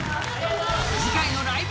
次回の「ライブ！